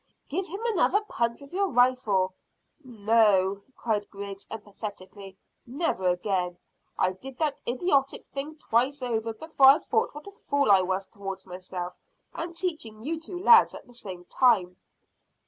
"Give him another punch with your rifle." "No!" cried Griggs emphatically. "Never again. I did that idiotic thing twice over before I thought what a fool I was towards myself, and teaching you two lads at the same time."